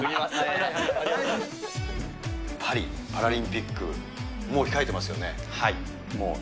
パリパラリンピック、もう控えていますよね。